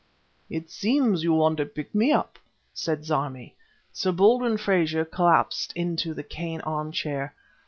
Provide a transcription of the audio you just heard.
..."It seems you want a pick me up!" said Zarmi. Sir Baldwin Frazer collapsed into the cane arm chair.